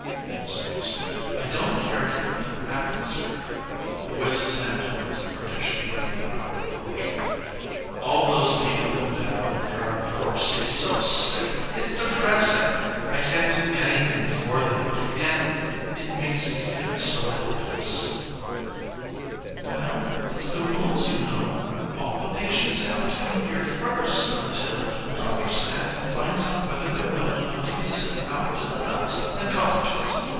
(Then seri ously.} I don t care for the atmosphere, though. (He waves his hand towards the partition looking out on the porch.} All those people in bed out there on the porch seem so sick. It s depressing. I can t do anything for them and it makes me feel so helpless. MISS HOWARD. Well, it s the rules, you know. All the patients have to come here first until Doctor Stanton finds out whether they re well enough to be sent out to the huts and cottages.